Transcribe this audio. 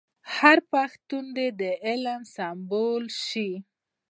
هر پښتون دي په علم سمبال شي.